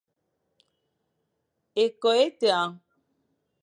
Ékôkh é tagha.